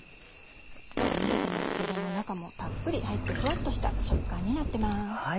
もう見えてますけれども中もたっぷり入ってふわっとした食感になってます。